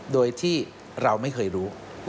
โดยที่เราไม่เคยรู้